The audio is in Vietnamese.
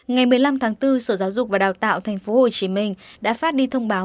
ngày một mươi năm tháng bốn sở giáo dục và đào tạo tp hcm đã phát đi thông báo